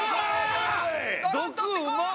毒うまい！